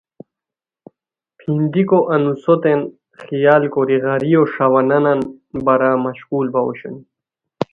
پھین دیکو انوسوتین خیال کوری غاریو ݰاوانان بارا مشقول باؤ اوشونی